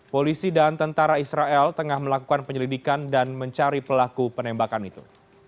polisi dan tentara israel tengah melakukan penyelidikan dan mencari pelaku penembakan itu